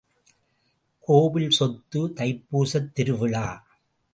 கோவில் சொத்து தைப்பூசத் திருவிழா!